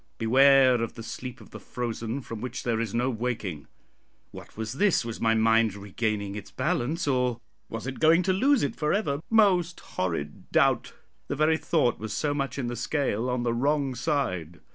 Beware of the sleep of the frozen, from which there is no waking." What was this? was my mind regaining its balance, or was it going to lose it for ever? Most horrid doubt! the very thought was so much in the scale on the wrong side.